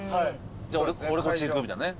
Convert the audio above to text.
じゃあ俺こっち行くみたいなね。